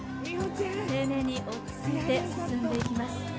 丁寧に落ち着いて進んでいきます。